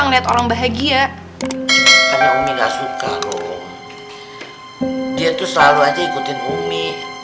ngeliat orang bahagia hanya umi gasuka rom dia tuh selalu aja ikutin umi